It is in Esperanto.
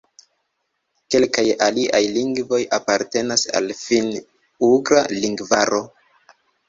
Kelkaj aliaj lingvoj apartenas al la Finn-ugra lingvaro.